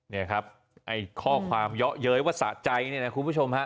นี่ครับไอ้ข้อความเยอะเย้ยว่าสะใจเนี่ยนะคุณผู้ชมฮะ